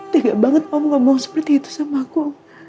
tegak banget papa ngomong seperti itu sama aku